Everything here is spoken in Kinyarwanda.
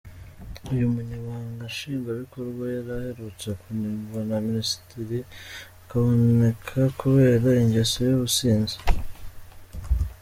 Uyu Munyamabanga Nshingwabikorwa yari aherutse kunengwa na Minisitiri Kaboneka kubera ingeso y’ubusinzi.